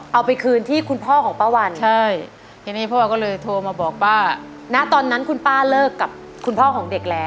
เอาไปคืนที่คุณพ่อของป้าวันใช่เห็นไหมพ่อวันก็เลยโทรมาบอกป้าณตอนนั้นคุณป้าเลิกกับคุณพ่อของเด็กแล้ว